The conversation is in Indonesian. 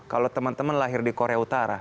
kalau teman teman lahir di korea utara